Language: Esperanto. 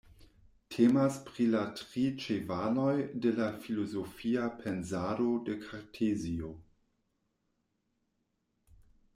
Temas pri la tri ĉevaloj de la filozofia pensado de Kartezio.